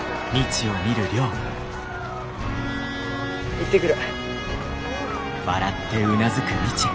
行ってくる。